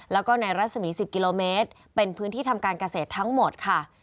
แล้วก็ในรัศมี๑๐กิโลเมตรเป็นพื้นที่ทำการเกษตรทั้งหมดค่ะ